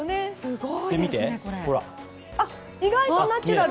意外とナチュラル。